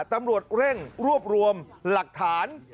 ตำรวจเร่งรวบรวมหลักฐาน